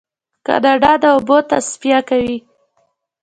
کاناډا د اوبو تصفیه کوي.